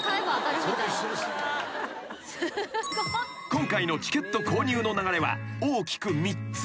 ［今回のチケット購入の流れは大きく３つ］